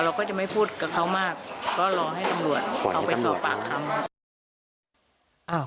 เราก็จะไม่พูดกับเขามากก็รอให้ตำรวจเอาไปสอบปากคำ